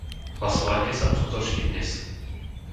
Hlasovanie sa uskutoční dnes.